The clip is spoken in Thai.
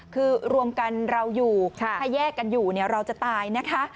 คือรวมกันเราอยู่ถ้าแยกกันอยู่เราจะตายนะคะ